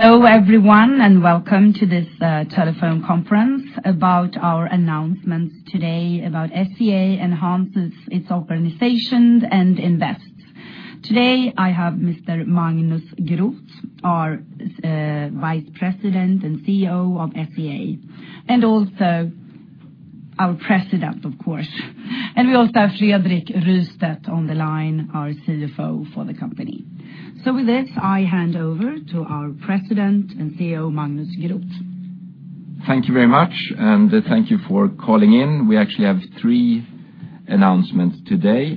Hello everyone, welcome to this telephone conference about our announcements today about SCA enhances its organizations and investments. Today I have Magnus Groth, our President and CEO of SCA, and we also have Fredrik Rystedt on the line, our CFO for the company. With this, I hand over to our President and CEO, Magnus Groth. Thank you very much, thank you for calling in. We actually have three announcements today.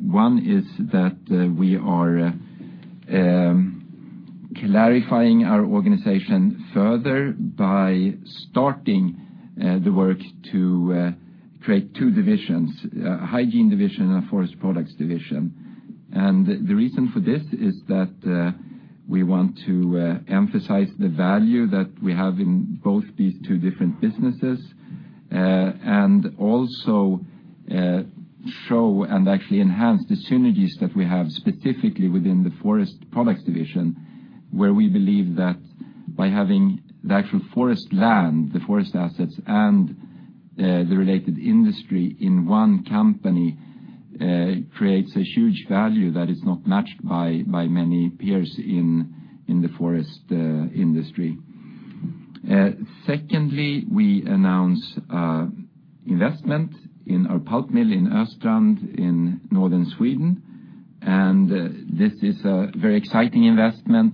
One is that we are clarifying our organization further by starting the work to create two divisions, a hygiene division and a forest products division. The reason for this is that we want to emphasize the value that we have in both these two different businesses, also show and actually enhance the synergies that we have specifically within the forest products division, where we believe that by having the actual forest land, the forest assets, and the related industry in one company creates a huge value that is not matched by many peers in the forest industry. Secondly, we announce investment in our pulp mill in Östrand in northern Sweden. This is a very exciting investment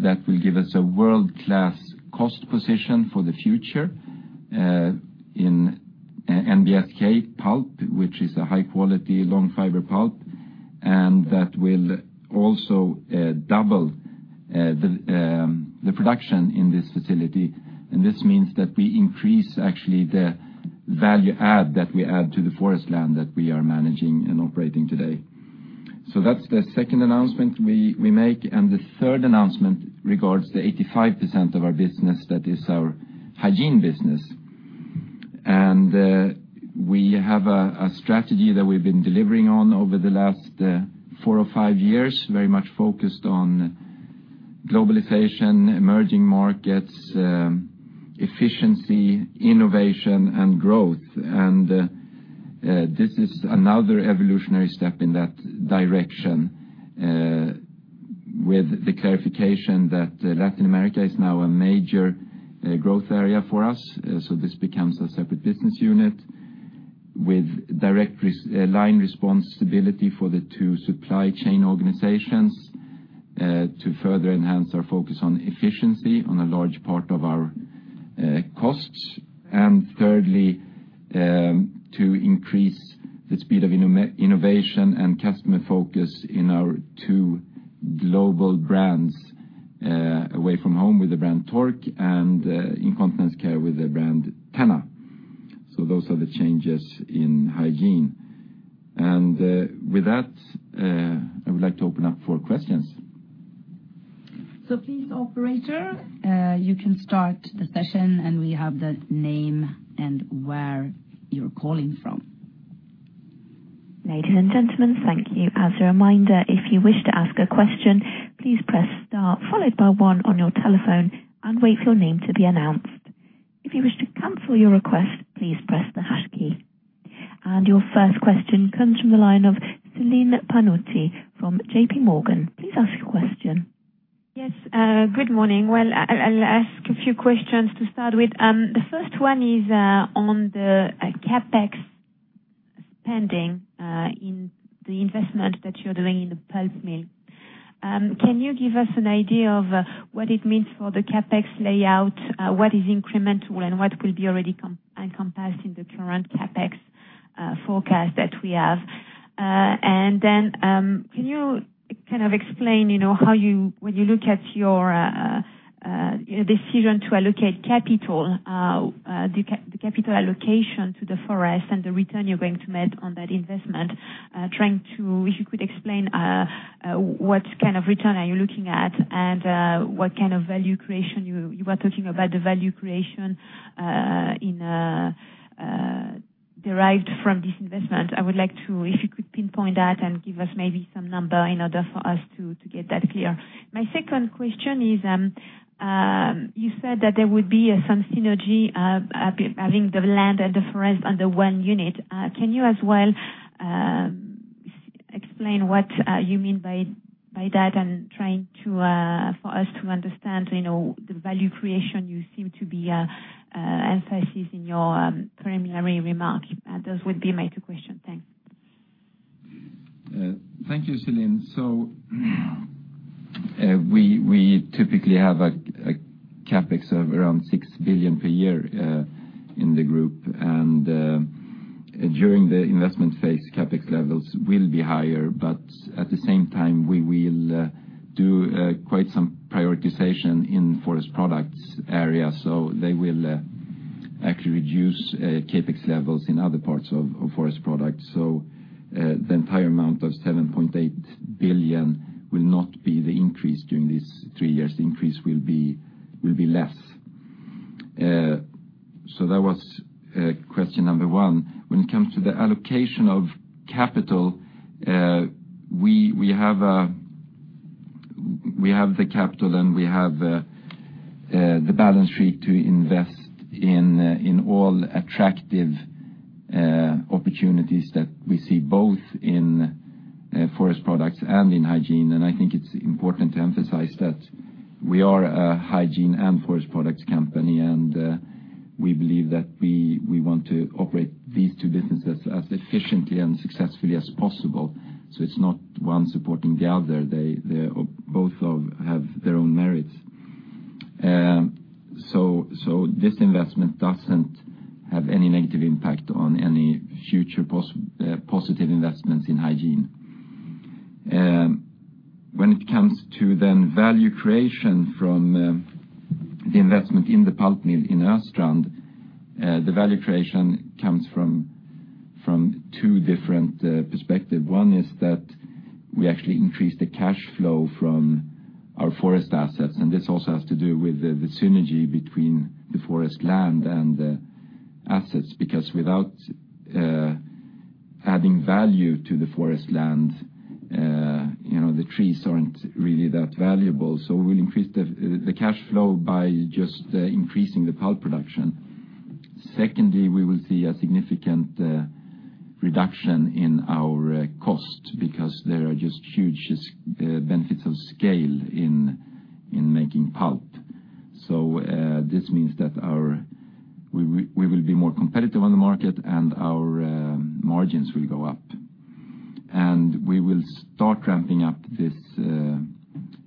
that will give us a world-class cost position for the future, in NBSK pulp, which is a high-quality, long fiber pulp, that will also double the production in this facility. This means that we increase actually the value add that we add to the forest land that we are managing and operating today. That's the second announcement we make, the third announcement regards the 85% of our business that is our hygiene business. We have a strategy that we've been delivering on over the last four or five years, very much focused on globalization, emerging markets, efficiency, innovation, and growth. This is another evolutionary step in that direction, with the clarification that Latin America is now a major growth area for us. This becomes a separate business unit with direct line responsibility for the two supply chain organizations, to further enhance our focus on efficiency on a large part of our costs. Thirdly, to increase the speed of innovation and customer focus in our two global brands, Away-from-Home with the brand Tork and Incontinence Care with the brand TENA. Those are the changes in hygiene. With that, I would like to open up for questions. Please, Operator, you can start the session, and we have the name and where you are calling from. Ladies and gentlemen, thank you. As a reminder, if you wish to ask a question, please press star followed by one on your telephone and wait for your name to be announced. If you wish to cancel your request, please press the hash key. Your first question comes from the line of Celine Pannuti from J.P. Morgan. Please ask your question. Yes, good morning. Well, I will ask a few questions to start with. The first one is on the CapEx spending in the investment that you are doing in the pulp mill. Can you give us an idea of what it means for the CapEx layout? What is incremental and what will be already encompassed in the current CapEx forecast that we have? Then, can you explain when you look at your decision to allocate capital, the capital allocation to the forest and the return you are going to make on that investment? If you could explain what kind of return are you looking at, and what kind of value creation you were talking about, the value creation derived from this investment. If you could pinpoint that and give us maybe some number in order for us to get that clear. My second question is, you said that there would be some synergy of having the land and the forest under one unit. Can you as well explain what you mean by that and trying for us to understand the value creation you seem to be emphasizing in your preliminary remarks? Those would be my two questions. Thanks. Thank you, Celine. We typically have a CapEx of around 6 billion per year in the group, and during the investment phase, CapEx levels will be higher, but at the same time, we will do quite some prioritization in Forest Products area. They will actually reduce CapEx levels in other parts of Forest Products. The entire amount of 7.8 billion will not be the increase during these three years. The increase will be less. That was question number 1. When it comes to the allocation of capital, we have the capital and we have the balance sheet to invest in all attractive opportunities that we see, both in Forest Products and in Hygiene. I think it's important to emphasize that we are a Hygiene and Forest Products company, and we believe that we want to operate these two businesses as efficiently and successfully as possible. It's not one supporting the other. They both have their own merits. This investment doesn't have any negative impact on any future positive investments in Hygiene. When it comes to then value creation from the investment in the pulp mill in Östrand, the value creation comes from two different perspective. One is that we actually increase the cash flow from our forest assets, and this also has to do with the synergy between the forest land and the assets, because without adding value to the forest land the trees aren't really that valuable. We'll increase the cash flow by just increasing the pulp production. Secondly, we will see a significant reduction in our cost because there are just huge benefits of scale in making pulp. This means that we will be more competitive on the market and our margins will go up. We will start ramping up this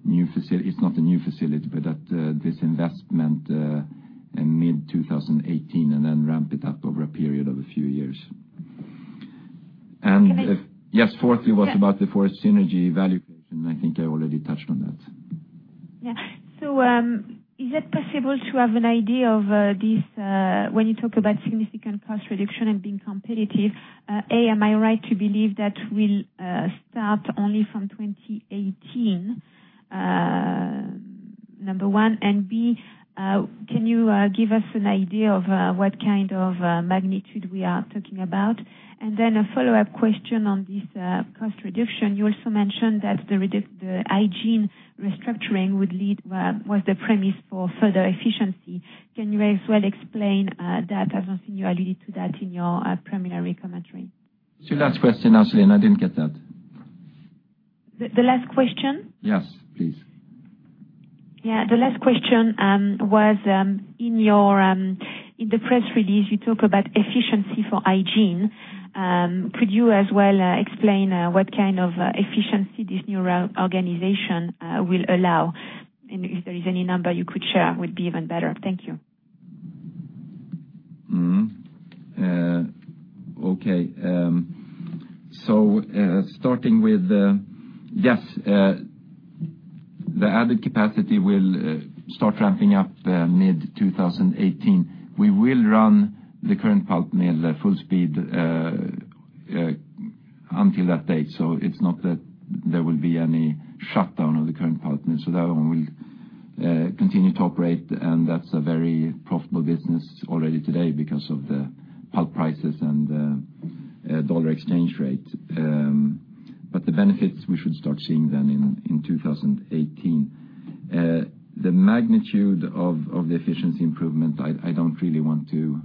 new facility, it's not a new facility, but this investment in mid-2018, then ramp it up over a period of a few years. Yes, fourthly was about the forest synergy valuation, I think I already touched on that. Yeah. Is it possible to have an idea of this when you talk about significant cost reduction and being competitive? A, am I right to believe that will start only from 2018? Number 1, B, can you give us an idea of what kind of magnitude we are talking about? Then a follow-up question on this cost reduction. You also mentioned that the Hygiene restructuring was the premise for further efficiency. Can you as well explain that? I haven't seen you allude to that in your preliminary commentary. Last question, Celine, I didn't get that. The last question? Yes, please. The last question was in the press release you talk about efficiency for hygiene. Could you as well explain what kind of efficiency this new organization will allow? If there is any number you could share, would be even better. Thank you. Okay. Starting with, yes, the added capacity will start ramping up mid-2018. We will run the current pulp mill at full speed until that date. It's not that there will be any shutdown of the current pulp mill. That one will continue to operate, and that's a very profitable business already today because of the pulp prices and the dollar exchange rate. The benefits we should start seeing then in 2018. The magnitude of the efficiency improvement, I don't really want to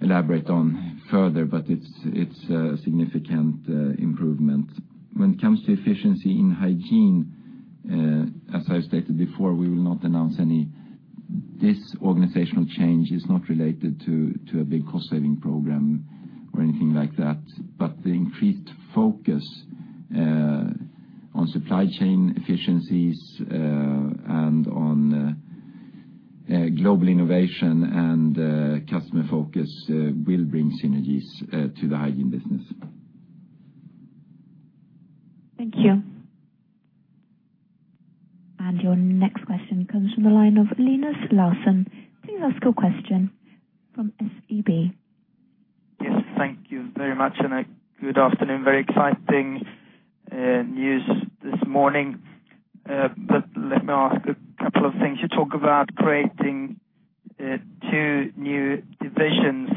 elaborate on further, but it's a significant improvement. When it comes to efficiency in hygiene, as I stated before, this organizational change is not related to a big cost saving program or anything like that, but the increased focus on supply chain efficiencies and on global innovation and customer focus will bring synergies to the hygiene business. Thank you. Your next question comes from the line of Linus Larsson. Please ask your question from SEB. Yes, thank you very much, and good afternoon. Very exciting news this morning. Let me ask a couple of things. You talk about creating two new divisions,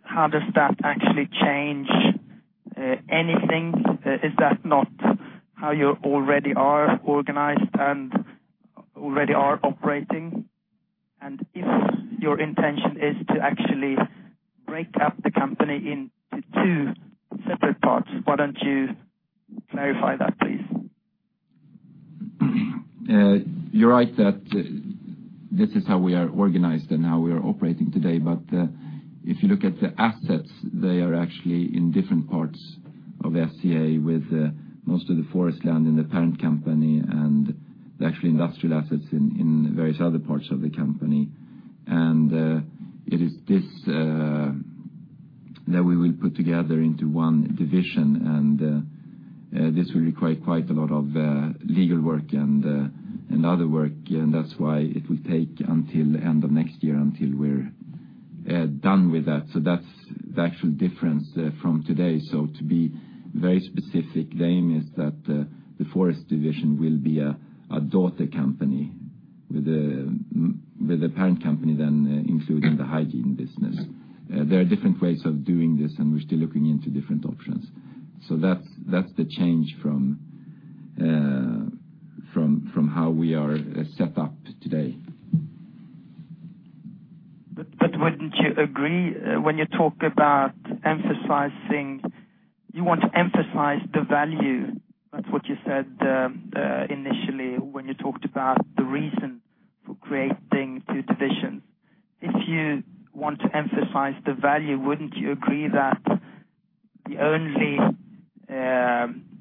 how does that actually change anything? Is that not how you already are organized and already are operating? If your intention is to actually break up the company into two separate parts, why don't you clarify that, please? You're right that this is how we are organized and how we are operating today. If you look at the assets, they are actually in different parts of SCA, with most of the forest land in the parent company and the actual industrial assets in various other parts of the company. It is this that we will put together into one division, and this will require quite a lot of legal work and other work, and that's why it will take until end of next year until we're done with that. That's the actual difference from today. To be very specific, the aim is that the forest division will be a daughter company with the parent company then including the hygiene business. There are different ways of doing this, and we're still looking into different options. That's the change from how we are set up today. Wouldn't you agree when you talk about emphasizing, you want to emphasize the value, that's what you said initially when you talked about the reason for creating two divisions. If you want to emphasize the value, wouldn't you agree that the only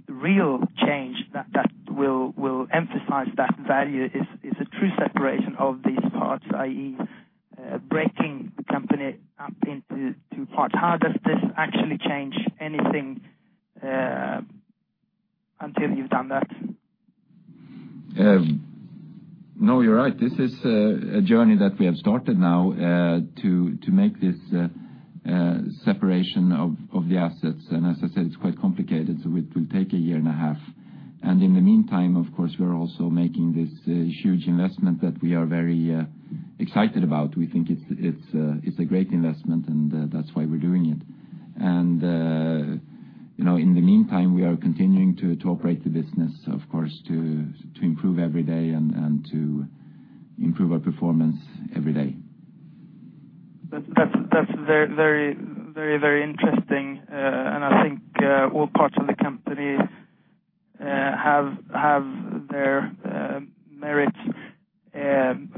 real change that will emphasize that value is a true separation of these parts, i.e., breaking the company up into two parts? How does this actually change anything until you've done that? No, you're right. This is a journey that we have started now, to make this separation of the assets. As I said, it's quite complicated, so it will take a year and a half. In the meantime, of course, we are also making this huge investment that we are very excited about. We think it's a great investment, and that's why we're doing it. In the meantime, we are continuing to operate the business, of course, to improve every day and to improve our performance every day. That's very interesting. I think all parts of the company have their merit on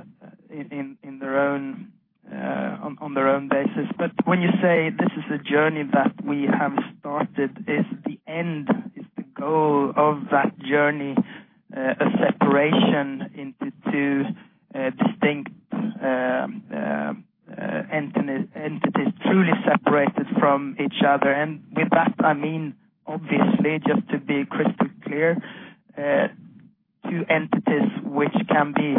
their own basis. When you say this is a journey that we have started, is the end, is the goal of that journey a separation into two distinct entities truly separated from each other? With that I mean, obviously, just to be crystal clear, two entities which can be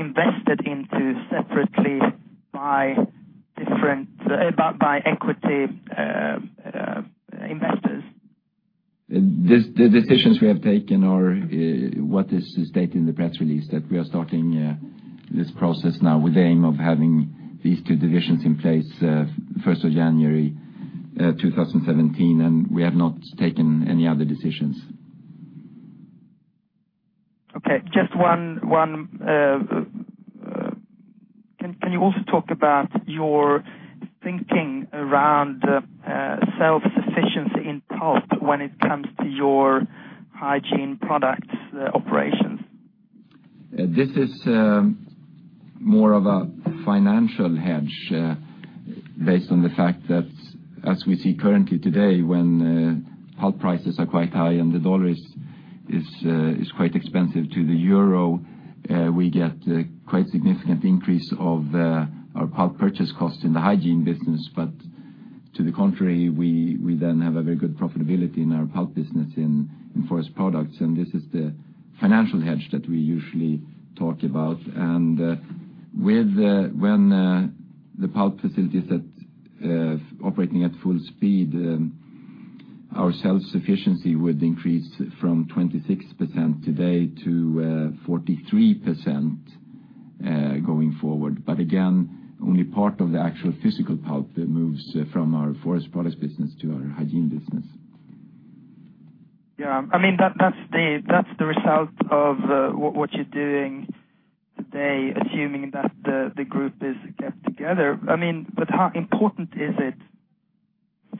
invested into separately by equity investors. The decisions we have taken are what is stated in the press release, that we are starting this process now with the aim of having these two divisions in place 1st of January, 2017. We have not taken any other decisions. Okay. Can you also talk about your thinking around self-sufficiency in pulp when it comes to your hygiene products operations? This is more of a financial hedge based on the fact that as we see currently today, when pulp prices are quite high and the U.S. dollar is quite expensive to the EUR we get quite significant increase of our pulp purchase cost in the hygiene business. To the contrary, we then have a very good profitability in our pulp business in forest products. This is the financial hedge that we usually talk about. When the pulp facilities that operating at full speed, our self-sufficiency would increase from 26% today to 43% going forward. Again, only part of the actual physical pulp that moves from our forest products business to our hygiene business. Yeah. That's the result of what you are doing today, assuming that the group is kept together. How important is it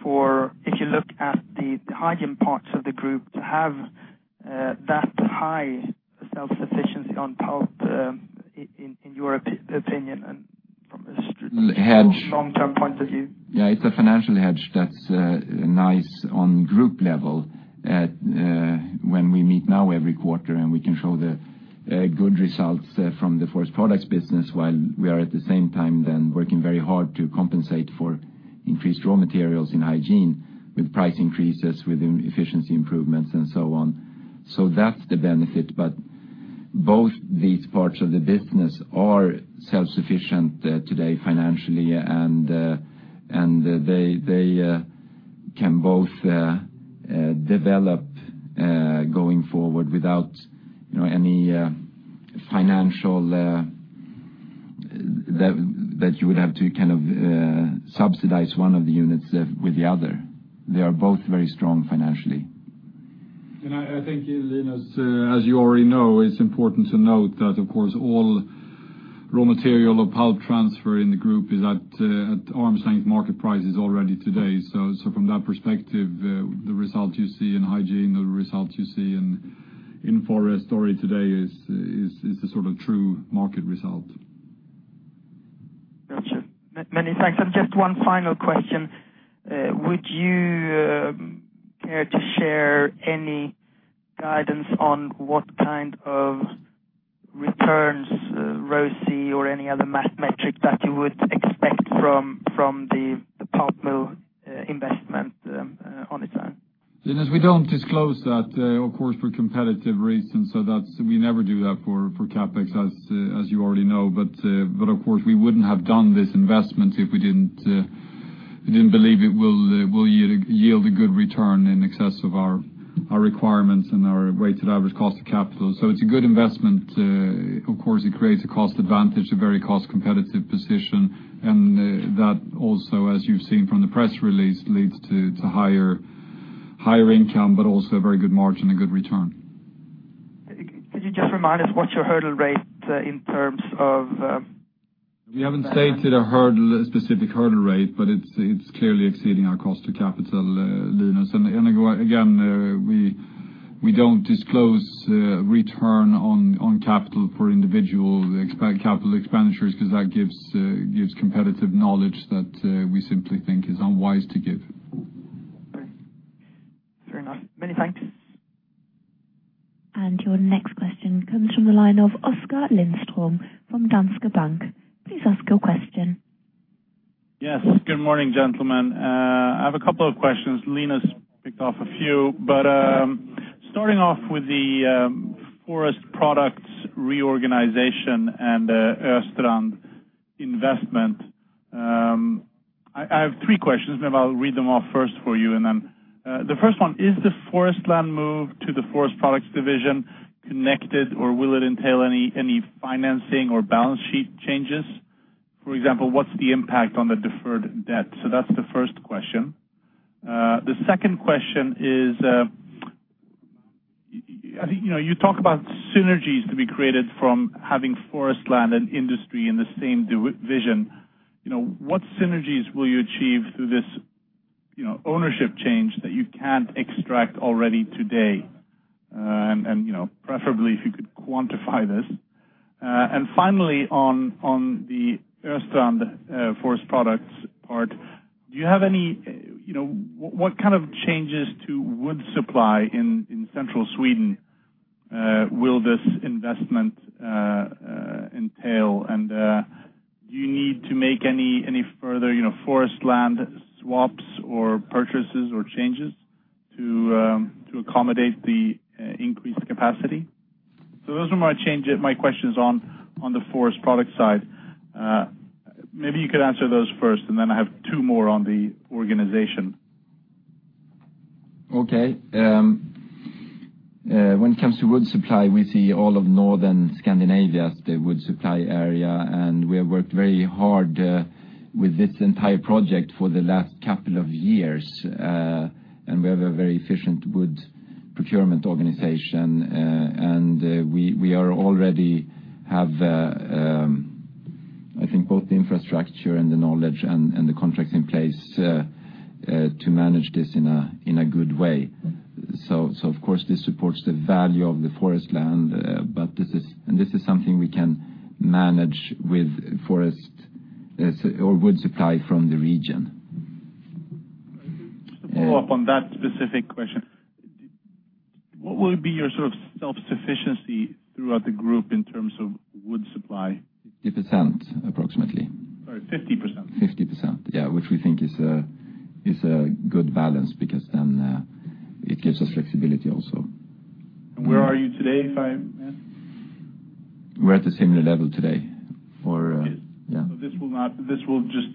for, if you look at the hygiene parts of the group, to have that high self-sufficiency on pulp, in your opinion and from a long-term point of view? Yeah, it's a financial hedge that's nice on group level. When we meet now every quarter, we can show the good results from the forest products business, while we are at the same time then working very hard to compensate for increased raw materials in hygiene with price increases, with efficiency improvements and so on. That's the benefit, but both these parts of the business are self-sufficient today financially, and they can both develop going forward without any financial, that you would have to subsidize one of the units with the other. They are both very strong financially. I think Linus, as you already know, it's important to note that of course, all raw material or pulp transfer in the group is at arm's length market prices already today. From that perspective, the result you see in hygiene or the results you see in forest already today is a sort of true market result. Got you. Many thanks. Just one final question. Would you care to share any guidance on what kind of returns, ROCE or any other math metric that you would expect from the investment on its own? Linus, we don't disclose that, of course, for competitive reasons. We never do that for CapEx, as you already know. Of course, we wouldn't have done this investment if we didn't believe it will yield a good return in excess of our requirements and our weighted average cost of capital. It's a good investment. Of course, it creates a cost advantage, a very cost competitive position. That also, as you've seen from the press release, leads to higher income, but also a very good margin and good return. Can you just remind us what your hurdle rate in terms of- We haven't stated a specific hurdle rate, but it's clearly exceeding our cost to capital, Linus. Again, we don't disclose return on capital for individual capital expenditures, because that gives competitive knowledge that we simply think is unwise to give. Okay. Very nice. Many thanks. Your next question comes from the line of Oskar Lindström from Danske Bank. Please ask your question. Yes. Good morning, gentlemen. I have a couple of questions. Linus ticked off a few. Starting off with the forest products reorganization and Östrand investment. I have three questions, maybe I'll read them off first for you. The first one, is the forest land move to the forest products division connected, or will it entail any financing or balance sheet changes? For example, what's the impact on the deferred debt? That's the first question. The second question is, you talk about synergies to be created from having forest land and industry in the same division. What synergies will you achieve through this ownership change that you can't extract already today? Preferably if you could quantify this. Finally, on the Östrand forest products part, what kind of changes to wood supply in northern Sweden will this investment entail? Do you need to make any further forest land swaps or purchases or changes to accommodate the increased capacity? Those are my questions on the forest product side. Maybe you could answer those first, and then I have two more on the organization. Okay. When it comes to wood supply, we see all of northern Scandinavia as the wood supply area, and we have worked very hard with this entire project for the last couple of years. We have a very efficient wood procurement organization. We already have, I think, both the infrastructure and the knowledge and the contracts in place to manage this in a good way. Of course, this supports the value of the forest land. This is something we can manage with wood supply from the region. To follow up on that specific question, what would be your sort of self-sufficiency throughout the group in terms of wood supply? 50% approximately. Sorry, 50%? 50%, yeah, which we think is a good balance because then it gives us flexibility also. Where are you today? We're at a similar level today. This will just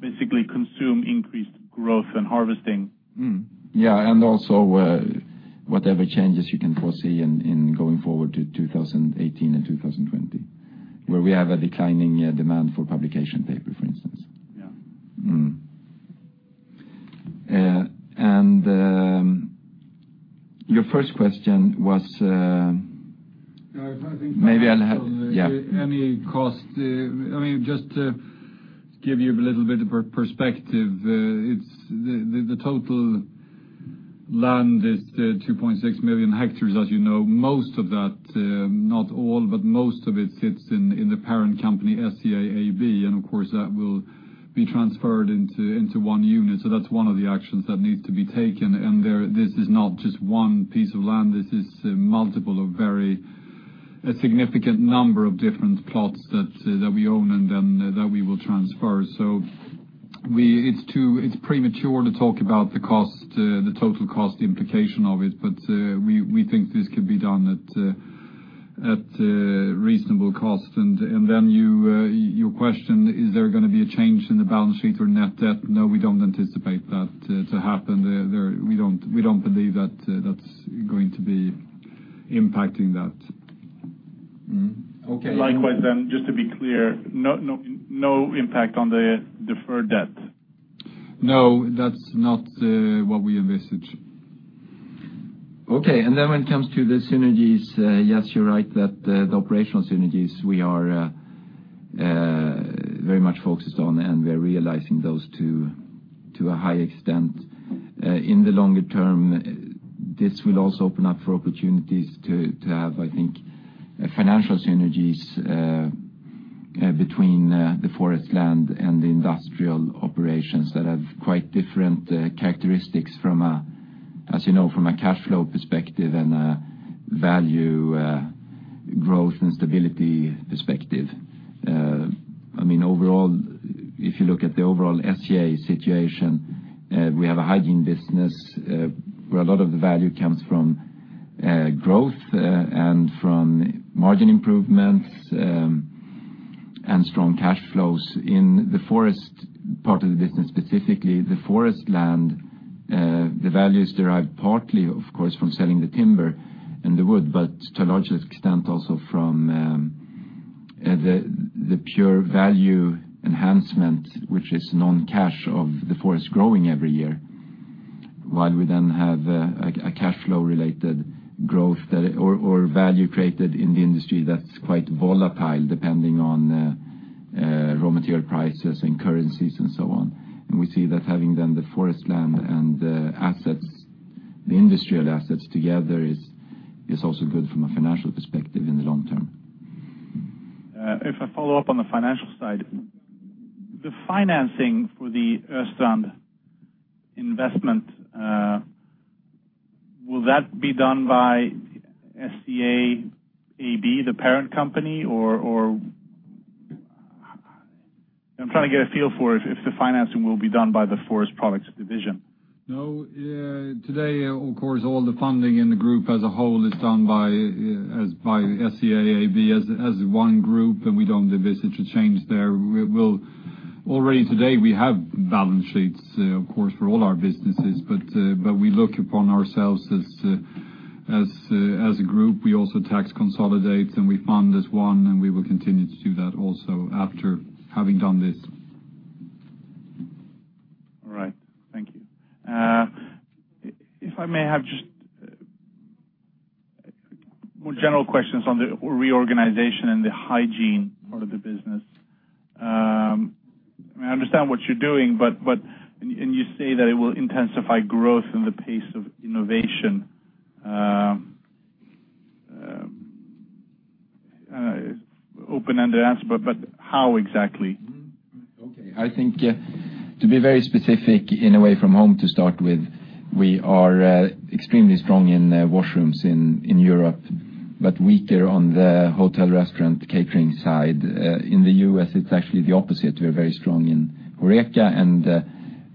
basically consume increased growth and harvesting. Yeah, also whatever changes you can foresee in going forward to 2018 and 2020, where we have a declining demand for publication paper, for instance. Yeah. Your first question was. I think. Maybe I'll have. Yeah Any cost. Just to give you a little bit of perspective, the total land is 2.6 million hectares, as you know. Most of that, not all, but most of it sits in the parent company, SCA AB, and of course, that will be transferred into one unit. That's one of the actions that need to be taken. This is not just one piece of land. This is a significant number of different plots that we own and then that we will transfer. It's premature to talk about the total cost implication of it, but we think this could be done at reasonable cost. Your question, is there going to be a change in the balance sheet or net debt? No, we don't anticipate that to happen. We don't believe that's going to be impacting that. Okay. Likewise, just to be clear, no impact on the deferred debt? No, that's not what we envisage. Okay, when it comes to the synergies, yes, you're right that the operational synergies we are very much focused on, and we are realizing those to a high extent. In the longer term, this will also open up for opportunities to have, I think, financial synergies between the forest land and the industrial operations that have quite different characteristics, as you know, from a cash flow perspective and a value growth and stability perspective. Overall, if you look at the overall SCA situation, we have a hygiene business where a lot of the value comes from growth and from margin improvements, and strong cash flows. In the forest part of the business, specifically the forest land, the value is derived partly, of course, from selling the timber and the wood, but to a large extent also from the pure value enhancement, which is non-cash of the forest growing every year. While we have a cash flow related growth or value created in the industry that's quite volatile depending on raw material prices and currencies and so on. We see that having then the forest land and the industrial assets together is also good from a financial perspective in the long term. If I follow up on the financial side, the financing for the Östrand investment, will that be done by SCA AB, the parent company, or? I'm trying to get a feel for if the financing will be done by the forest products division. No. Today, of course, all the funding in the group as a whole is done by SCA AB as one group. We don't envision to change there. Already today we have balance sheets, of course, for all our businesses, but we look upon ourselves as a group. We also tax consolidate. We fund as one. We will continue to do that also after having done this. All right. Thank you. If I may have just more general questions on the reorganization, the hygiene part of the business. I understand what you're doing. You say that it will intensify growth in the pace of innovation. Open-ended answer, how exactly? Okay. I think to be very specific, in Away-from-Home to start with, we are extremely strong in washrooms in Europe, but weaker on the hotel restaurant catering side. In the U.S., it's actually the opposite. We are very strong in HORECA,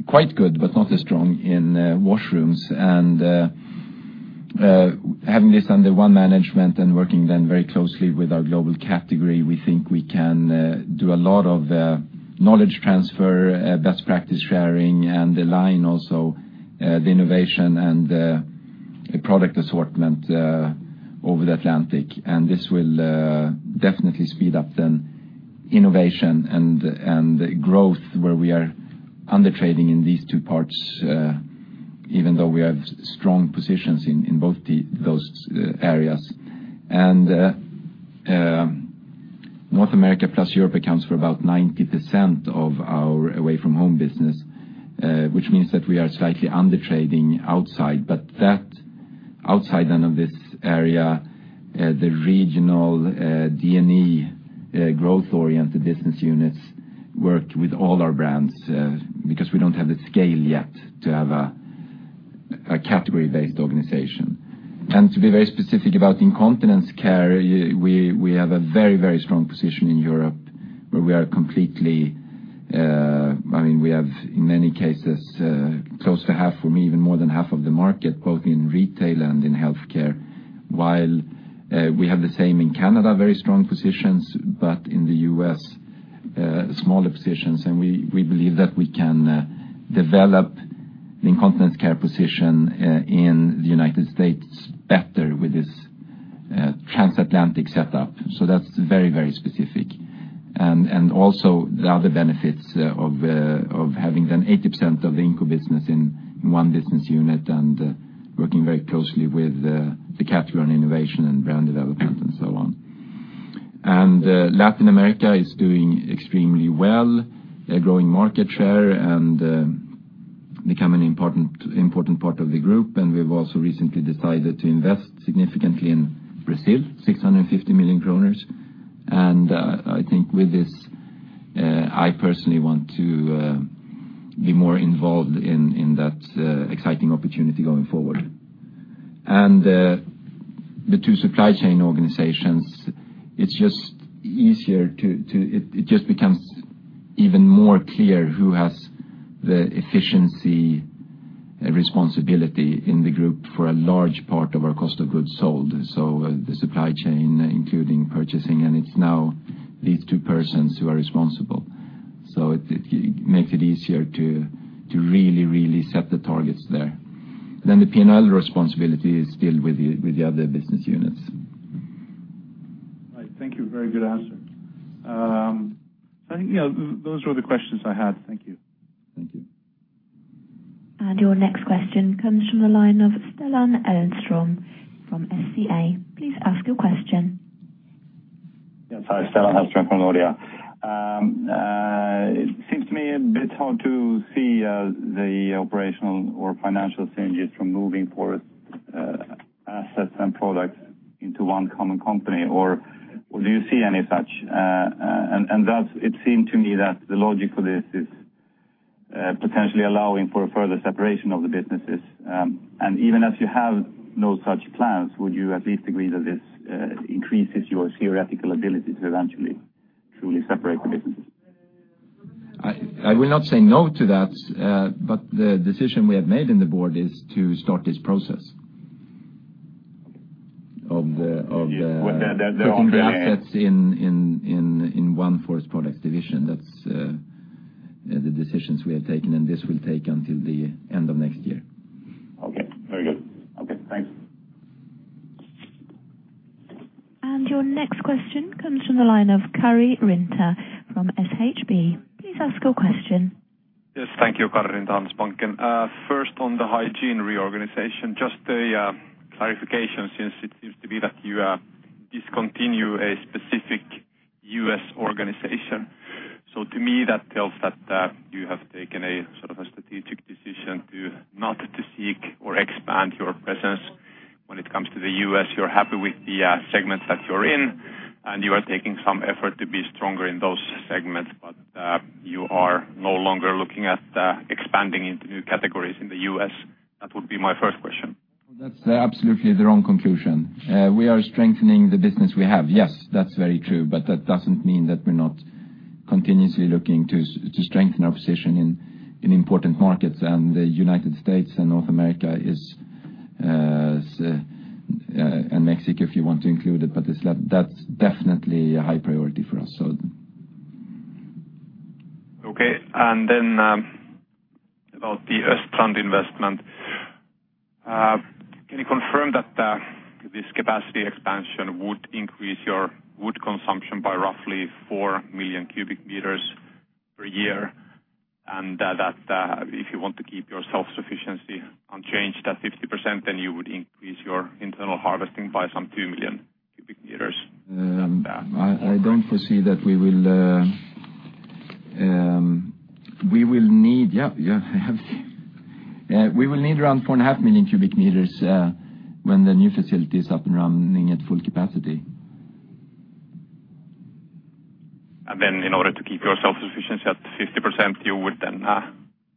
quite good, but not as strong in washrooms. Having this under one management, working then very closely with our global category, we think we can do a lot of knowledge transfer, best practice sharing, align also the innovation and the product assortment over the Atlantic. This will definitely speed up then innovation and growth where we are under-trading in these two parts, even though we have strong positions in both those areas. North America plus Europe accounts for about 90% of our Away-from-Home business, which means that we are slightly under-trading outside. Outside of this area, the regional R,D&E growth-oriented business units work with all our brands because we don't have the scale yet to have a category-based organization. To be very specific about Incontinence Care, we have a very strong position in Europe where we are completely. We have, in many cases, close to half or maybe even more than half of the market, both in retail and in healthcare. While we have the same in Canada, very strong positions, but in the U.S., smaller positions. We believe that we can develop the Incontinence Care position in the United States better with this transatlantic setup. That's very specific. Also, the other benefits of having done 80% of the Inco business in one business unit and working very closely with the category on innovation and brand development and so on. Latin America is doing extremely well. They're growing market share and becoming important part of the group, and we've also recently decided to invest significantly in Brazil, 650 million kronor. I think with this, I personally want to be more involved in that exciting opportunity going forward. The two supply chain organizations, it just becomes even more clear who has the efficiency responsibility in the group for a large part of our cost of goods sold. The supply chain, including purchasing, and it's now these two persons who are responsible. It makes it easier to really set the targets there. The P&L responsibility is still with the other business units. Right. Thank you. Very good answer. Those were the questions I had. Thank you. Thank you. Your next question comes from the line of Stellan Elenström from SCA. Please ask your question. Yes. Hi, Stellan Elenström from Nordea. It seems to me a bit hard to see the operational or financial synergies from moving forest assets and products into one common company, or do you see any such? It seemed to me that the logic for this is potentially allowing for a further separation of the businesses. Even as you have no such plans, would you at least agree that this increases your theoretical ability to eventually truly separate the businesses? I will not say no to that. The decision we have made in the board is to start this process. With that. Putting the assets in one Forest Products division. That's the decisions we have taken. This will take until the end of next year. Okay. Very good. Okay, thanks. Your next question comes from the line of Kari Rinta from SHB. Please ask your question. Yes. Thank you. Kari Rinta, Handelsbanken. First, on the hygiene reorganization, just a clarification, since it seems to be that you discontinue a specific U.S. organization. To me, that tells that you have taken a sort of strategic decision to not to seek or expand your presence when it comes to the U.S. You're happy with the segments that you're in, and you are taking some effort to be stronger in those segments, but you are no longer looking at expanding into new categories in the U.S. That would be my first question. That's absolutely the wrong conclusion. We are strengthening the business we have. Yes, that's very true, but that doesn't mean that we're not continuously looking to strengthen our position in important markets. The U.S. and North America, and Mexico, if you want to include it, but that's definitely a high priority for us. Okay, about the Östrand investment. Can you confirm that this capacity expansion would increase your wood consumption by roughly 4 million cubic meters per year, and that if you want to keep your self-sufficiency unchanged at 50%, you would increase your internal harvesting by some 2 million cubic meters? I don't foresee that. We will need around 4.5 million cubic meters when the new facility is up and running at full capacity. In order to keep your self-sufficiency at 50%, you would then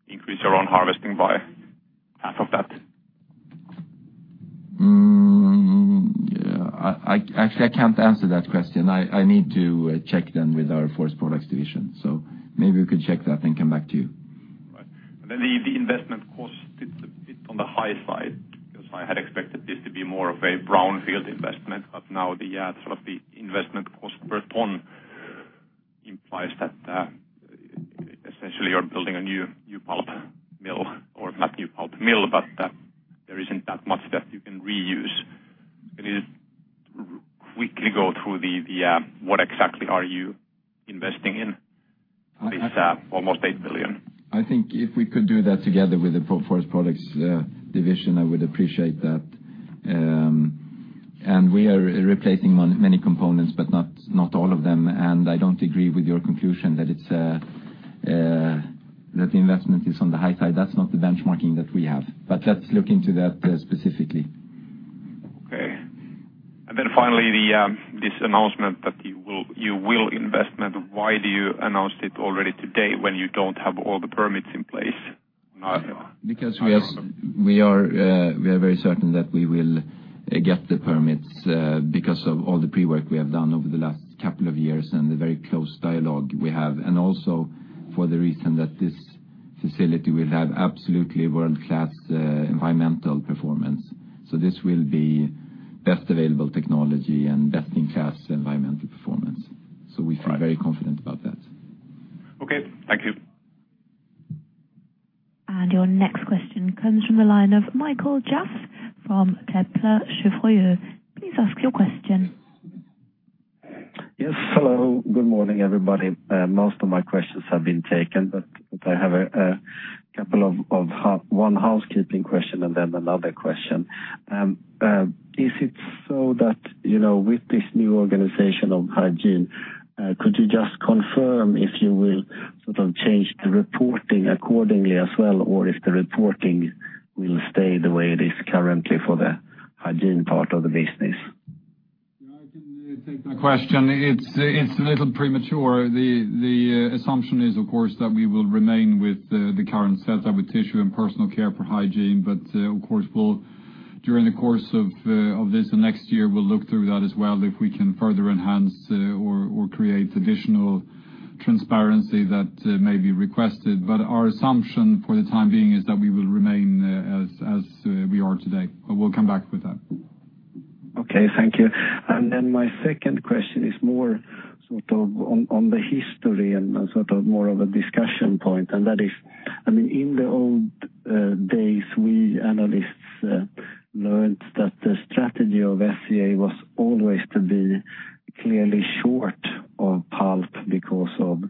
increase your own harvesting by half of that? I can't answer that question. I need to check then with our Forest Products division. Maybe we could check that and come back to you. Right. Then the investment cost, it's on the high side, because I had expected this to be more of a brownfield investment, now the investment cost per ton implies that essentially you're building a new pulp mill, or not new pulp mill, but there isn't that much that you can reuse. Can you quickly go through what exactly are you investing in this almost 8 billion? I think if we could do that together with the Forest Products division, I would appreciate that. We are replacing many components, but not all of them. I don't agree with your conclusion that the investment is on the high side. That's not the benchmarking that we have. Let's look into that specifically. Okay. Then finally, this announcement that you will investment, why do you announce it already today when you don't have all the permits in place? We are very certain that we will get the permits because of all the pre-work we have done over the last couple of years and the very close dialogue we have, also for the reason that this facility will have absolutely world-class environmental performance. This will be best available technology and best-in-class environmental performance. We feel very confident about that. Okay. Thank you. Your next question comes from the line of Mikael Jåfs from Kepler Cheuvreux. Please ask your question. Hello. Good morning, everybody. Most of my questions have been taken, I have one housekeeping question and then another question. Is it so that, with this new organization of hygiene, could you just confirm if you will sort of change the reporting accordingly as well, or if the reporting will stay the way it is currently for the hygiene part of the business? I can take that question. It's a little premature. The assumption is, of course, that we will remain with the current setup with tissue and personal care for hygiene. Of course, during the course of this next year, we'll look through that as well, if we can further enhance or create additional transparency that may be requested. Our assumption for the time being is that we will remain as we are today. We'll come back with that. Okay, thank you. My second question is more sort of on the history and sort of more of a discussion point, that is, in the old days, we analysts learned that the strategy of SCA was always to be clearly short of pulp because of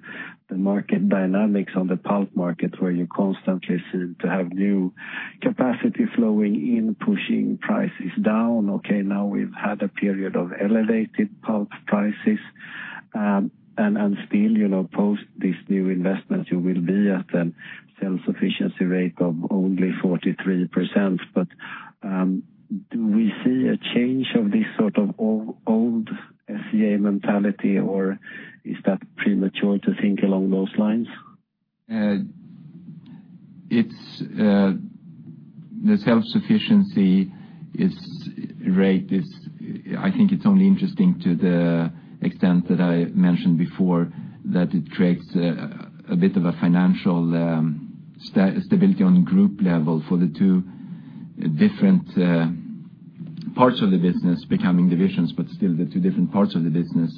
the market dynamics on the pulp market, where you constantly seem to have new capacity flowing in, pushing prices down. Now we've had a period of elevated pulp prices, still, post these new investments, you will be at a self-sufficiency rate of only 43%. Do we see a change of this sort of old SCA mentality, or is that premature to think along those lines? The self-sufficiency rate, I think it's only interesting to the extent that I mentioned before, that it creates a bit of a financial stability on the group level for the two different parts of the business becoming divisions, still the two different parts of the business,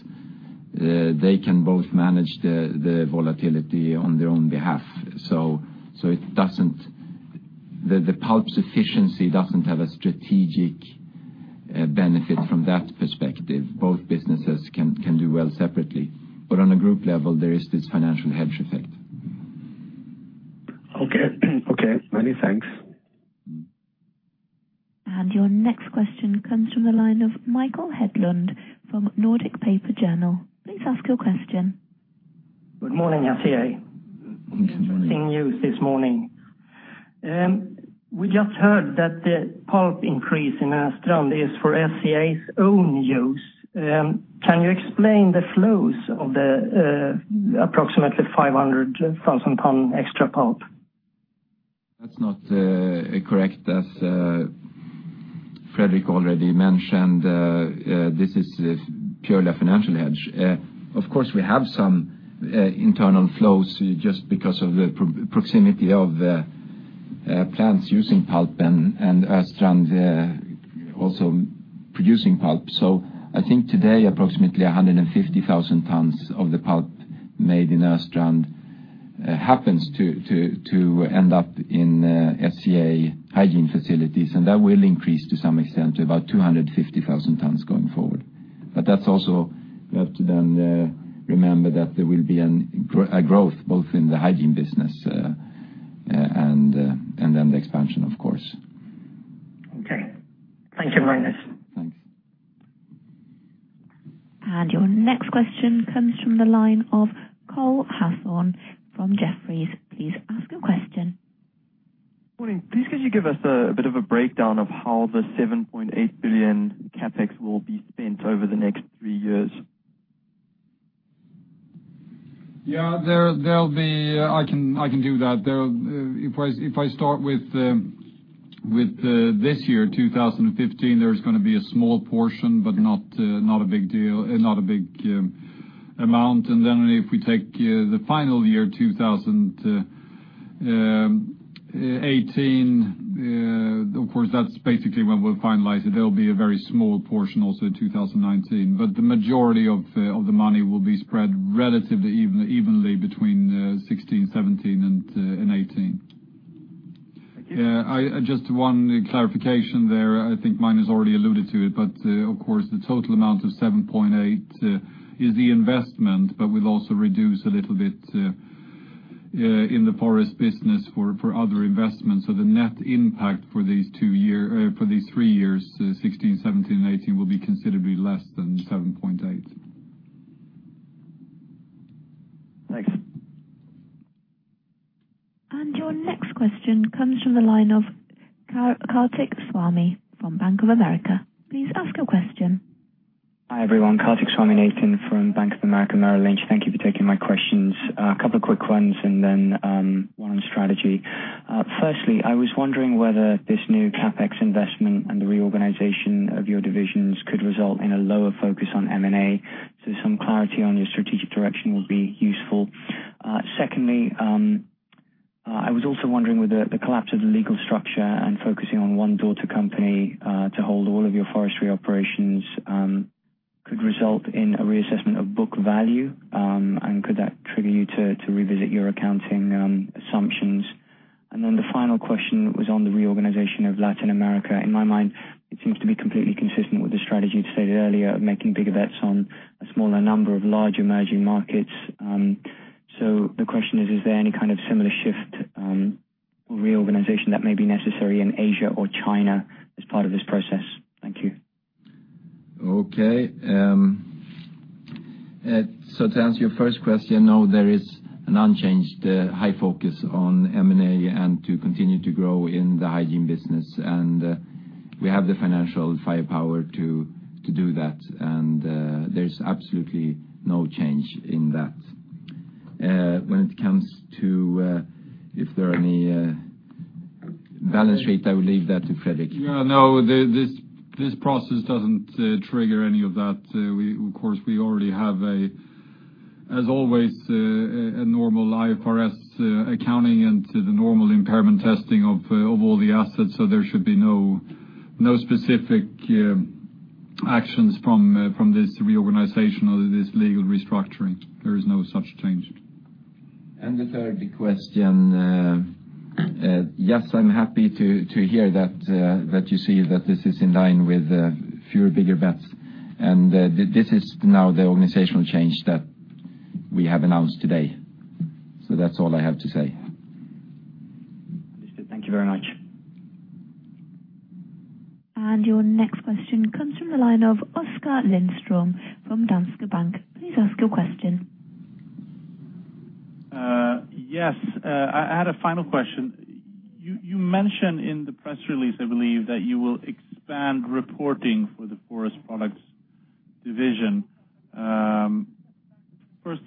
they can both manage the volatility on their own behalf. The pulp sufficiency doesn't have a strategic benefit from that perspective. Both businesses can do well separately. On a group level, there is this financial hedge effect. Okay. Many thanks. Your next question comes from the line of Mikael Hedlund from Nordic Paper Journal. Please ask your question. Good morning, SCA. Good morning. Interesting news this morning. We just heard that the pulp increase in Östrand is for SCA's own use. Can you explain the flows of the approximately 500,000 ton extra pulp? That's not correct. As Fredrik already mentioned, this is purely a financial hedge. We have some internal flows just because of the proximity of plants using pulp and Östrand also producing pulp. I think today approximately 150,000 tons of the pulp made in Östrand happens to end up in SCA hygiene facilities, and that will increase to some extent to about 250,000 tons going forward. You have to then remember that there will be a growth both in the hygiene business and then the expansion, of course. Okay. Thank you very much. Thanks. Your next question comes from the line of Cole Hathorn from Jefferies. Please ask your question. Morning. Please could you give us a bit of a breakdown of how the 7.8 billion CapEx will be spent over the next three years? Yeah. I can do that. If I start with this year, 2015, there's going to be a small portion, but not a big amount. Then if we take the final year, 2018, of course, that's basically when we'll finalize it. There'll be a very small portion also in 2019. The majority of the money will be spread relatively evenly between 2016, 2017, and 2018. Thank you. Just one clarification there. I think Magnus already alluded to it, but of course the total amount of 7.8 is the investment, but we'll also reduce a little bit in the forest business for other investments. The net impact for these three years, 2016, 2017, and 2018, will be considerably less than 7.8. Thanks. Your next question comes from the line of Kartik Swamy from Bank of America. Please ask your question. Hi, everyone. Kartik Swaminathan from Bank of America, Merrill Lynch. Thank you for taking my questions. A couple of quick ones, then one on strategy. Firstly, I was wondering whether this new CapEx investment and the reorganization of your divisions could result in a lower focus on M&A, so some clarity on your strategic direction would be useful. Secondly, I was also wondering whether the collapse of the legal structure and focusing on one daughter company to hold all of your forestry operations could result in a reassessment of book value, and could that trigger you to revisit your accounting assumptions? The final question was on the reorganization of Latin America. In my mind, it seems to be completely consistent with the strategy you'd stated earlier of making bigger bets on a smaller number of large emerging markets. The question is: Is there any kind of similar shift or reorganization that may be necessary in Asia or China as part of this process? Thank you. To answer your first question, no, there is an unchanged high focus on M&A and to continue to grow in the hygiene business. We have the financial firepower to do that. There's absolutely no change in that. When it comes to if there are any balance sheet, I will leave that to Fredrik. No, this process doesn't trigger any of that. Of course, we already have, as always, a normal IFRS accounting and the normal impairment testing of all the assets, so there should be no specific actions from this reorganization or this legal restructuring. There is no such change. The third question. Yes, I am happy to hear that you see that this is in line with fewer, bigger bets. This is now the organizational change that we have announced today. That is all I have to say. Understood. Thank you very much. Your next question comes from the line of Oskar Lindström from Danske Bank. Please ask your question. Yes. I had a final question. You mentioned in the press release, I believe, that you will expand reporting for the Forest Products division. First,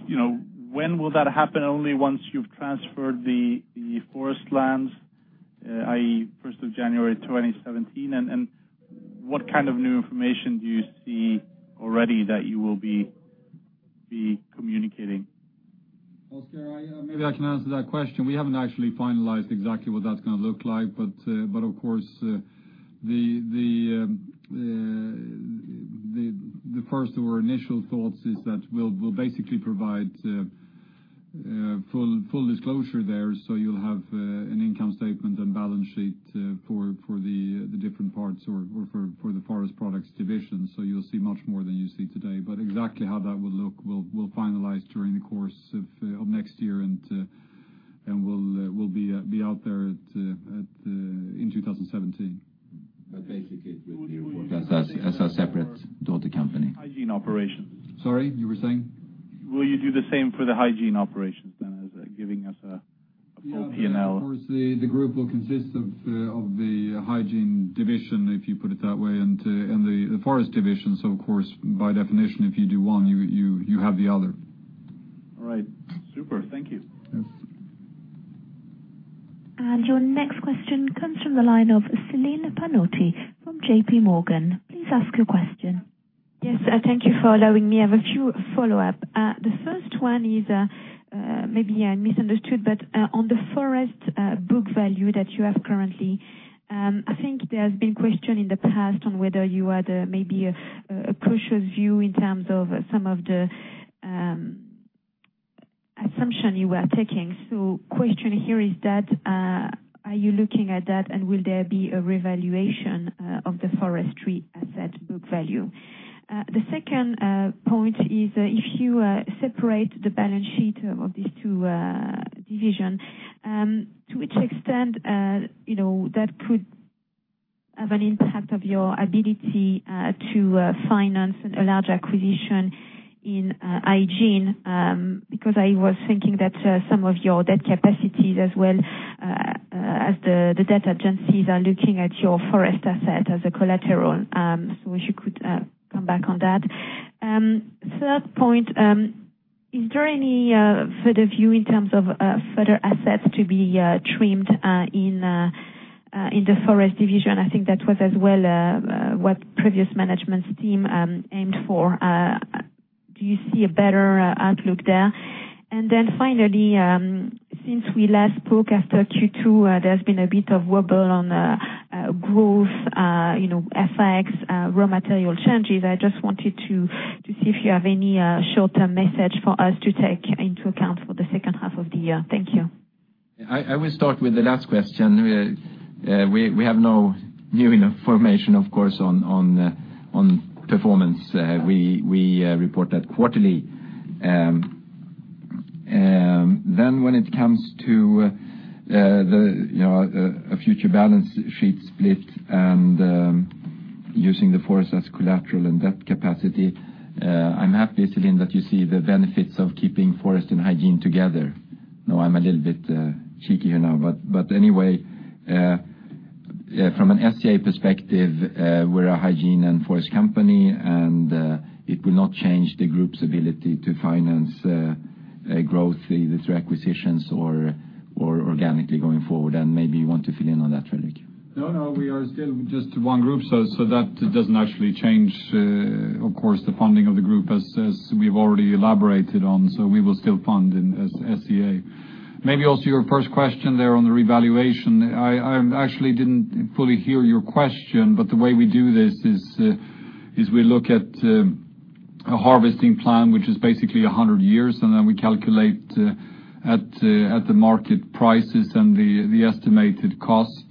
when will that happen? Only once you have transferred the forest lands, i.e., 1st of January 2017? What kind of new information do you see already that you will be communicating? Oskar, maybe I can answer that question. We haven't actually finalized exactly what that's going to look like, of course, the first or initial thoughts is that we'll basically provide full disclosure there. You'll have an income statement and balance sheet for the different parts or for the Forest Products division. You'll see much more than you see today. Exactly how that will look, we'll finalize during the course of next year, and will be out there in 2017. Basically, it will be as a separate daughter company. Hygiene operations. Sorry, you were saying? Will you do the same for the hygiene operations, as giving us a full P&L? Of course, the group will consist of the hygiene division, if you put it that way, and the forest division. Of course, by definition, if you do one, you have the other. All right. Super. Thank you. Yes. Your next question comes from the line of Celine Pannuti from J.P. Morgan. Please ask your question. Yes. Thank you for allowing me. I have a few follow-up. The first one is, maybe I misunderstood, but on the forest book value that you have currently, I think there's been question in the past on whether you had maybe a cautious view in terms of some of the assumption you were taking. Question here is that, are you looking at that and will there be a revaluation of the forestry asset book value? The second point is, if you separate the balance sheet of these two divisions, to which extent that could have an impact of your ability to finance a large acquisition in hygiene? Because I was thinking that some of your debt capacities, as well as the debt agencies, are looking at your forest asset as a collateral. Wish you could come back on that. Third point, is there any further view in terms of further assets to be trimmed in the forest division? I think that was as well what previous management team aimed for. Do you see a better outlook there? Finally, since we last spoke after Q2, there's been a bit of wobble on growth, FX, raw material changes. I just wanted to see if you have any short-term message for us to take into account for the second half of the year. Thank you. I will start with the last question. We have no new information, of course, on performance. We report that quarterly. When it comes to a future balance sheet split and using the forest as collateral and debt capacity, I'm happy, Celine, that you see the benefits of keeping forest and hygiene together. I'm a little bit cheeky here now, anyway, from an SCA perspective, we're a hygiene and forest company, and it will not change the group's ability to finance growth, either through acquisitions or organically going forward. Maybe you want to fill in on that, Fredrik. We are still just one group, that doesn't actually change, of course, the funding of the group, as we've already elaborated on. We will still fund as SCA. Maybe also your first question there on the revaluation. I actually didn't fully hear your question, the way we do this is we look at a harvesting plan, which is basically 100 years, we calculate at the market prices and the estimated cost.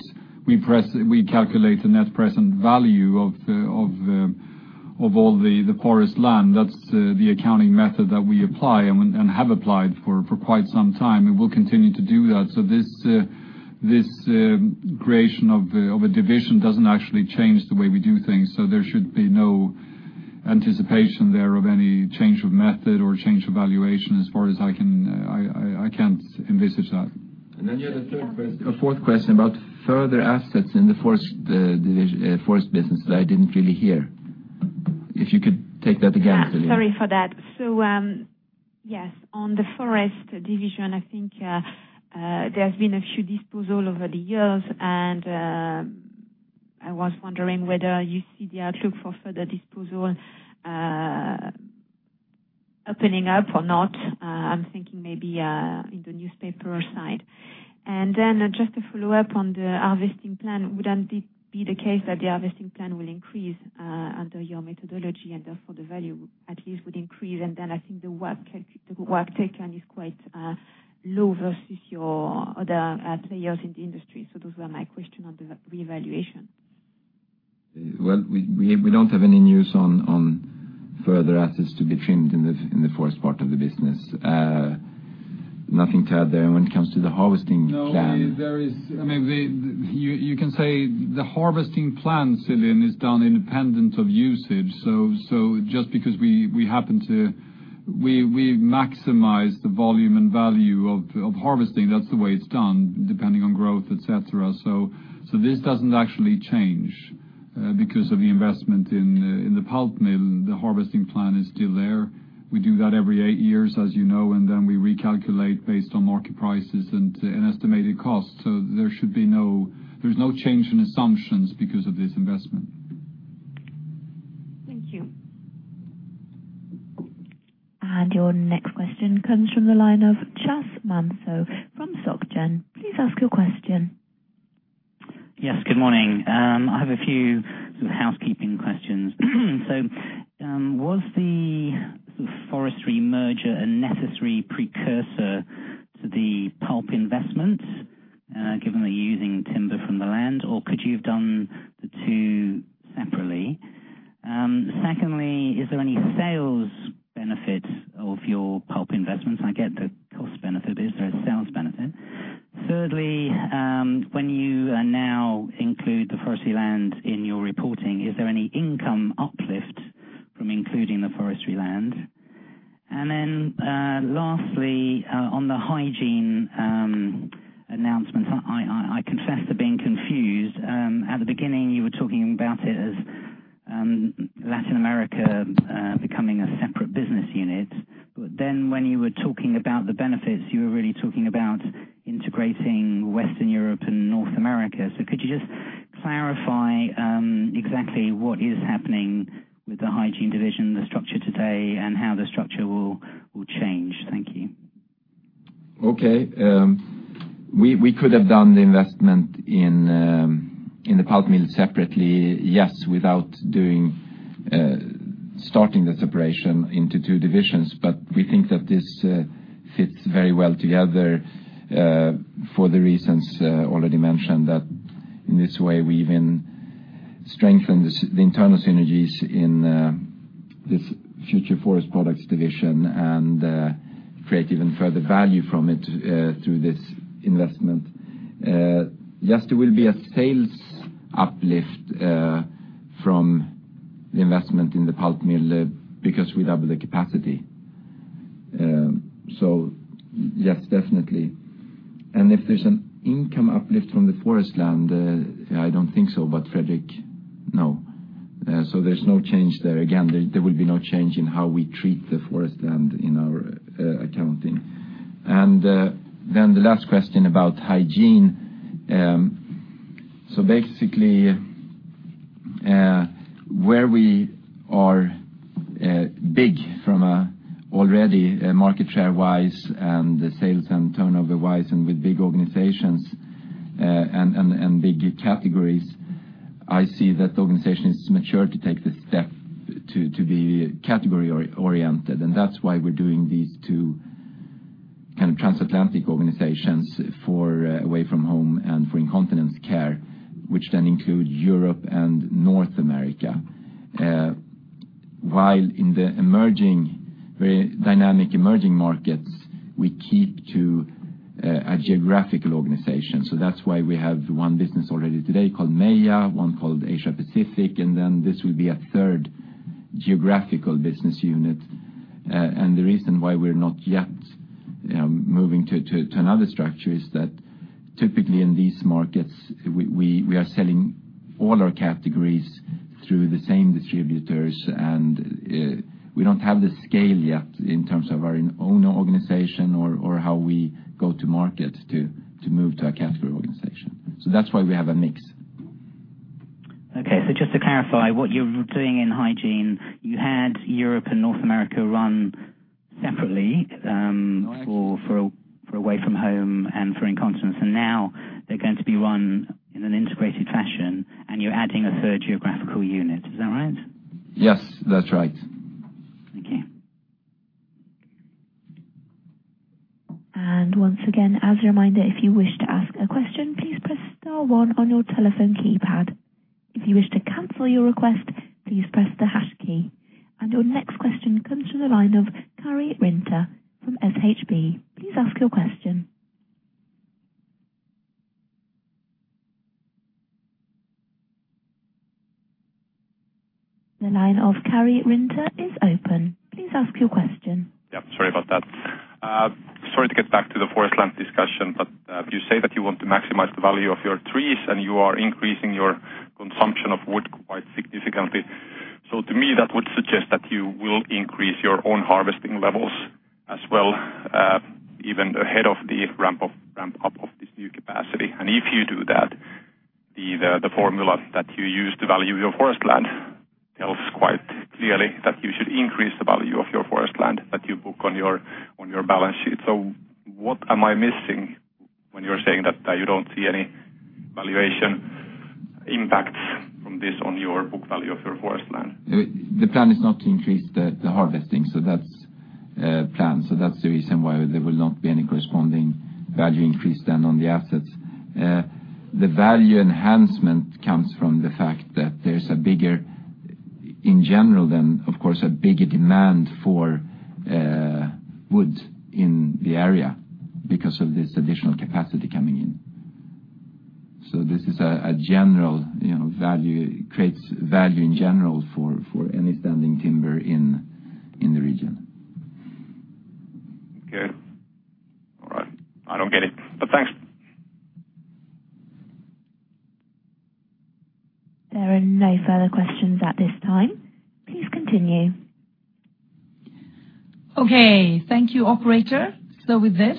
We calculate the net present value of all the forest land. That's the accounting method that we apply and have applied for quite some time, and we'll continue to do that. This creation of a division doesn't actually change the way we do things. There should be no anticipation there of any change of method or change of valuation as far as I can't envisage that. You had a third question. A fourth question about further assets in the forest business that I didn't really hear. If you could take that again, Celine. Sorry for that. Yes, on the forest division, I think there's been a few disposal over the years, and I was wondering whether you see the outlook for further disposal opening up or not. I'm thinking maybe in the newspaper side. Just to follow up on the harvesting plan, wouldn't it be the case that the harvesting plan will increase under your methodology and therefore the value at least would increase? I think the work taken is quite low versus your other players in the industry. Those were my question on the revaluation. Well, we don't have any news on further assets to be trimmed in the forest part of the business. Nothing to add there when it comes to the harvesting plan. No, you can say the harvesting plan, Celine, is done independent of usage. Just because we maximize the volume and value of harvesting, that's the way it's done, depending on growth, et cetera. This doesn't actually change because of the investment in the pulp mill. The harvesting plan is still there. We do that every eight years, as you know, and then we recalculate based on market prices and estimated costs. There's no change in assumptions because of this investment. Thank you. Your next question comes from the line of Chas Manso from Soc Gen. Please ask your question. Yes, good morning. I have a few sort of housekeeping questions. Was the forestry merger a necessary precursor to the pulp investment, given that you're using timber from the land, or could you have done the two separately? Secondly, is there any sales benefit of your pulp investments? I get the cost benefit, but is there a sales benefit? Thirdly, when you now include the forestry land in your reporting, is there any income uplift from including the forestry land? Lastly, on the hygiene announcements, I confess to being confused. At the beginning, you were talking about it as Latin America becoming a separate business unit. When you were talking about the benefits, you were really talking about integrating Western Europe and North America. Could you just clarify exactly what is happening with the hygiene division, the structure today, and how the structure will change? Thank you. Okay. We could have done the investment in the pulp mill separately, yes, without starting the separation into two divisions. We think that this fits very well together for the reasons already mentioned, that in this way, we even strengthen the internal synergies in this future forest products division and create even further value from it through this investment. Yes, there will be a sales uplift from the investment in the pulp mill because we double the capacity. Yes, definitely. If there's an income uplift from the forest land, I don't think so, but Fredrik? No. There's no change there. Again, there will be no change in how we treat the forest land in our accounting. The last question about hygiene. Basically, where we are big from already market share-wise and sales and turnover-wise and with big organizations and big categories, I see that the organization is mature to take the step to be category-oriented. That's why we're doing these two kind of transatlantic organizations for Away-from-Home and for Incontinence Care, which then include Europe and North America. While in the very dynamic emerging markets, we keep to a geographical organization. That's why we have one business already today called MEA, one called Asia Pacific, this will be a third geographical business unit. The reason why we're not yet moving to another structure is that typically in these markets, we are selling all our categories through the same distributors, and we don't have the scale yet in terms of our own organization or how we go to market to move to a category organization. That's why we have a mix. Okay, just to clarify what you're doing in hygiene, you had Europe and North America run separately- Correct for Away-from-Home and for Incontinence Care, now they're going to be run in an integrated fashion, and you're adding a third geographical unit. Is that right? Yes, that's right. Thank you. Once again, as a reminder, if you wish to ask a question, please press star one on your telephone keypad. If you wish to cancel your request, please press the hash key. Your next question comes from the line of Kari Rinta from SHB. Please ask your question. The line of Kari Rinta is open. Please ask your question. Sorry about that. Sorry to get back to the forest land discussion, you say that you want to maximize the value of your trees, you are increasing your consumption of wood quite significantly. To me, that would suggest that you will increase your own harvesting levels as well, even ahead of the ramp-up of this new capacity. If you do that, the formula that you use to value your forest land tells quite clearly that you should increase the value of your forest land that you book on your balance sheet. What am I missing when you're saying that you don't see any valuation impacts from this on your book value of your forest land? The plan is not to increase the harvesting, that's planned. That's the reason why there will not be any corresponding value increase then on the assets. The value enhancement comes from the fact that there's, in general, of course, a bigger demand for wood in the area because of this additional capacity coming in. This creates value in general for any standing timber in the region. Okay. All right. I don't get it, thanks. There are no further questions at this time. Please continue. Okay. Thank you, operator. With this,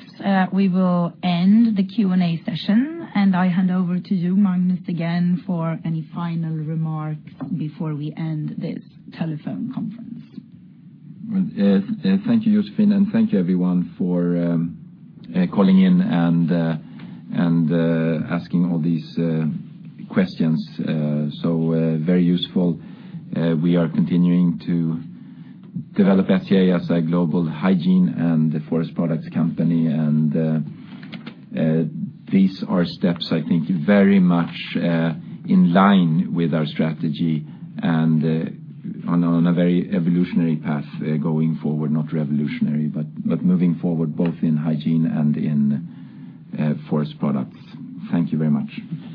we will end the Q&A session, and I hand over to you, Magnus, again, for any final remarks before we end this telephone conference. Thank you, Josephine, and thank you, everyone, for calling in and asking all these questions. Very useful. We are continuing to develop SCA as a global hygiene and forest products company, and these are steps, I think, very much in line with our strategy and on a very evolutionary path going forward, not revolutionary, but moving forward both in hygiene and in forest products. Thank you very much.